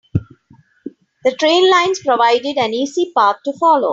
The train lines provided an easy path to follow.